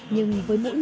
nhưng với mỗi người lính